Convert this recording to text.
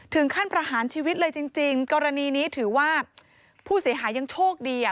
ถึงขั้นประหารชีวิตเลยจริงจริงกรณีนี้ถือว่าผู้เสียหายยังโชคดีอ่ะ